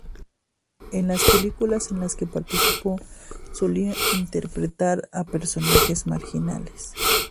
En las películas en las que participó solía interpretar a personajes marginales.